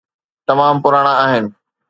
تمام پراڻا آهن.